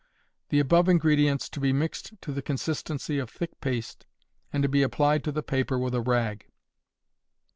The above ingredients to be mixed to the consistency of thick paste, and to be applied to the paper with a rag.